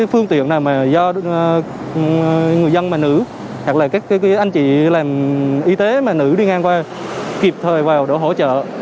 hoặc là các anh chị làm y tế mà nữ đi ngang qua kịp thời vào để hỗ trợ